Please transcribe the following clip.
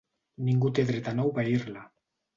Ningú té dret a no obeir-la.